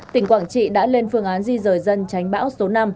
tỉnh quảng trị đã lên phương án di rời dân tránh bão số năm